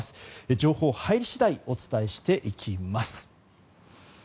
情報、入り次第お伝えしていきます。